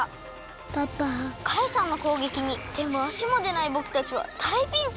カイさんのこうげきにてもあしもでないぼくたちはだいピンチ！